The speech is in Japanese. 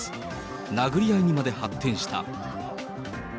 殴り合いにまで発展した。